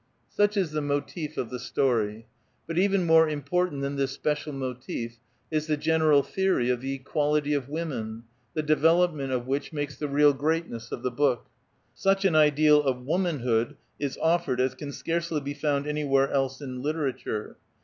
Such is the motive of the story. But even more impor tant than this special motive is the general theory of the equality of women, the development of which makes the real greatness of the book. Such an ideal of womanhood is offered as can scarcely be found anywhere else in literature.